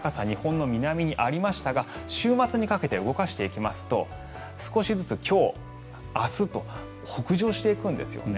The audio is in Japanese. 日本の南にありましたが週末にかけて動かしていきますと少しずつ今日、明日と北上していくんです。